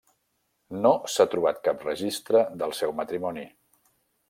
No s'ha trobat cap registre del seu matrimoni.